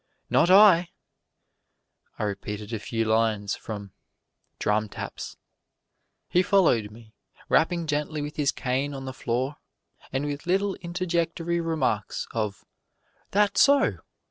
"Not I!" I repeated a few lines from "Drum Taps." He followed me, rapping gently with his cane on the floor, and with little interjectory remarks of "That's so!"